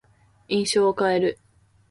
印象を変える。